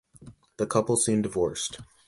The couple soon divorced.